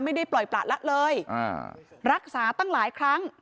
ไม่ได้ปล่อยประละเลยรักษาตั้งหลายครั้ง